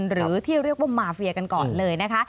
หรือที่เรียกว่ามาเฟียกันก่อนเลยนะคะ